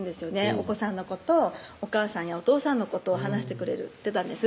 お子さんのことお母さんやお父さんのことを話してくれてたんです